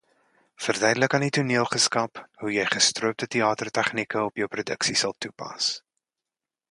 Verduidelik aan die toneelgeselskap hoe jy Gestroopte Teater-tegnieke op jou produksie sal toepas.